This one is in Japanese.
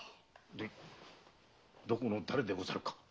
でどこの誰でござるか？